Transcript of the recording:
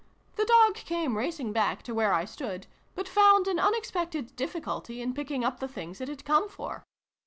The dog came racing back to where I stood, but found an unexpected difficulty in picking 'up the things it had come for.